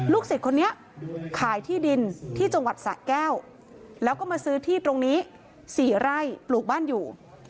สิทธิ์คนนี้ขายที่ดินที่จังหวัดสะแก้วแล้วก็มาซื้อที่ตรงนี้๔ไร่ปลูกบ้านอยู่